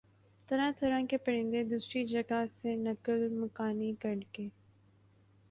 طرح طرح کے پرندے دوسری جگہوں سے نقل مکانی کرکے